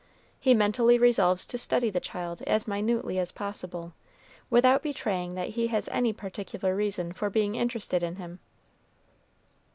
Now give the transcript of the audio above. He mentally resolves to study the child as minutely as possible, without betraying that he has any particular reason for being interested in him.